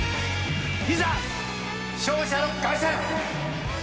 いざ勝者の凱旋！